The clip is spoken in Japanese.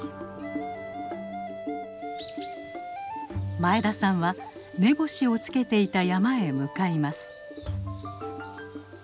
前田さんは目星をつけていた山へ向かいます。